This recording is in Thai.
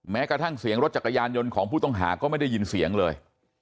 แม้กระทั่งเสียงรถจักรยานยนต์ของผู้ต้องหาก็ไม่ได้ยินเสียงเลย